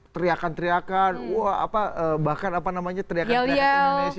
teriakan teriakan wah apa bahkan apa namanya teriakan teriakan indonesia